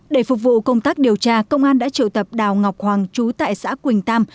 để phục vụ công tác điều tra công an đã triệu tập đào ngọc hoàng trú tại xã quỳnh tam